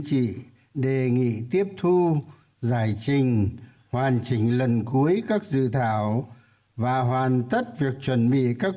bộ chính trị đề nghị tiếp thu giải trình hoàn chỉnh lần cuối các dự thảo và hoàn tất việc chuẩn bị các văn kiện để trình đại hội một mươi ba của đảng